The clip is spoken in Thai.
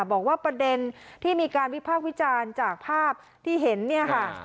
บอกว่าประเด็นที่มีการวิพากษ์วิจารณ์จากภาพที่เห็นเนี่ยค่ะ